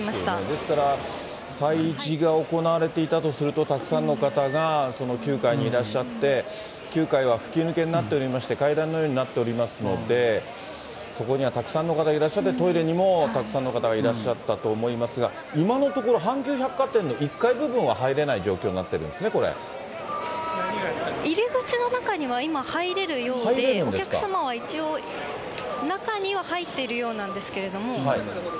ですから催事が行われていたとすると、たくさんの方が９階にいらっしゃって、９階は吹き抜けになっておりまして、階段のようになっておりますので、そこにはたくさんの方がいらっしゃって、トイレにもたくさんの方がいらっしゃったと思いますが、今のところ阪急百貨店の１階部分は入れない状況になっているんで入り口の中には今、入れるようで、お客様は一応、中には入っているようなんですけれども。